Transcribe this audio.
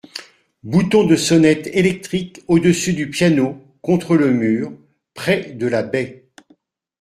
Bouton de sonnette électrique au-dessus du piano, contre le mur, près de la baie.